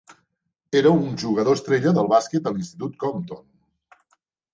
Era un jugador estrella del bàsquet a l'institut Compton.